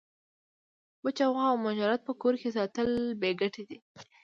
وچه غوا او مجرد په کور کي ساتل بې ګټي دي.